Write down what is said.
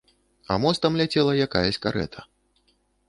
А мостам ляцела якаясь карэта.